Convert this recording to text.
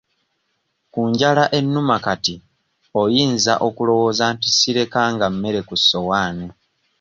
Ku njala ennuma kati oyinza okulowooza nti sirekanga mmere ku ssowaani.